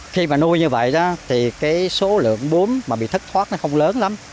khi mà nuôi như vậy thì số lượng búm bị thất thoát không lớn lắm